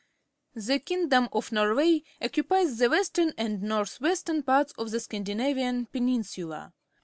— The king dom of Norway occupies the western and north western parts of the Scandinarian Peninsula.